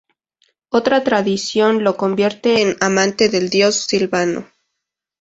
Otra tradición lo convierte en amante del dios Silvano.